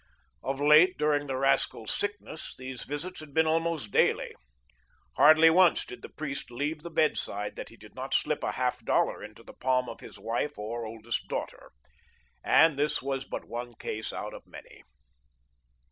Of late, during the rascal's sickness, these visits had been almost daily. Hardly once did the priest leave the bedside that he did not slip a half dollar into the palm of his wife or oldest daughter. And this was but one case out of many.